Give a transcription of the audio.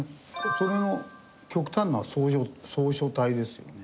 それの極端な草書体ですよね。